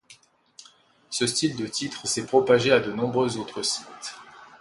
Ce style de titre s'est propagé à de nombreux autres sites.